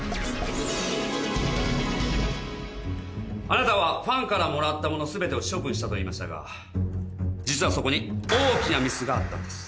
あなたはファンからもらったもの全てを処分したと言いましたが実はそこにえっ？